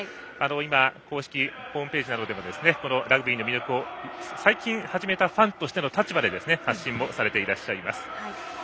公式ホームページなどでもラグビーの魅力を最近始めたファンとしての立場で発信もされていらっしゃいます。